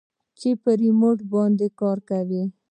چې په ريموټ باندې کار کوي.